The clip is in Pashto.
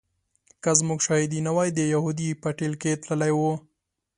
که زموږ شاهدي نه وای د یهودي په ټېل کې تللی و.